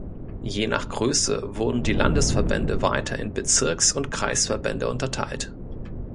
Je nach Größe wurden die Landesverbände weiter in Bezirks- und Kreisverbände unterteilt.